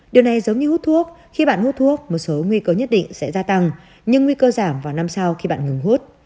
điều này giống như hút thuốc khi bạn hút thuốc một số nguy cơ nhất định sẽ gia tăng nhưng nguy cơ giảm vào năm sau khi bạn ngừng hút